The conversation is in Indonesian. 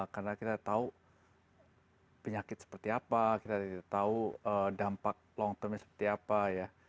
karena kita tahu penyakit seperti apa kita tidak tahu dampak long termnya seperti apa ya